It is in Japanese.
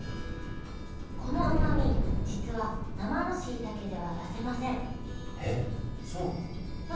このうまみ実は生のしいたけでは出せませんえっそうなの？